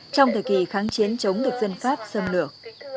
trong thời kỳ kháng chiến chống thực dân pháp xâm lược